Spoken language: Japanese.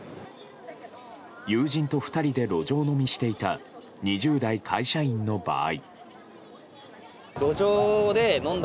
友人と２人で路上飲みしていた２０代会社員の場合。